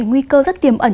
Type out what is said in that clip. nguy cơ rất tiềm ẩn